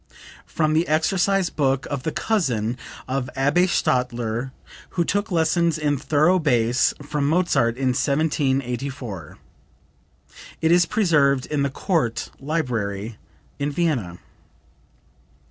(From the exercise book of the cousin of Abbe Stadler who took lessons in thorough bass from Mozart in 1784. It is preserved in the Court Library in Vienna.)